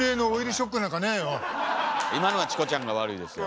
今のはチコちゃんが悪いですよ。